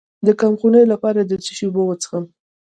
د کمخونۍ لپاره د څه شي اوبه وڅښم؟